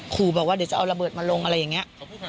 ขู่บอกว่าเดี๋ยวจะเอาระเบิดมาลงอะไรอย่างนี้